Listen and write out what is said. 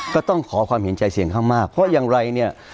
ก็ต้องขอความเห็นใจเสียงข้างมากเพราะอย่างไรเนี่ย